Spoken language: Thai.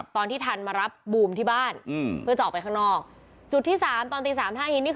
ตอนที่ทันมรับบูที่บ้านชอบไปข้างนอก